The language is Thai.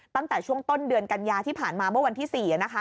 ตั้งแต่ช่วงต้นเดือนกันยาที่ผ่านมาเมื่อวันที่๔นะคะ